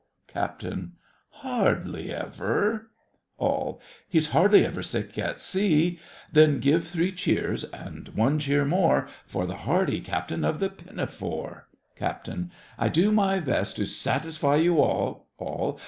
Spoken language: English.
CAPT. Hardly ever! ALL. He's hardly ever sick at seal Then give three cheers, and one cheer more, For the hardy Captain of the Pinafore! CAPT. I do my best to satisfy you all— ALL.